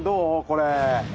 これ。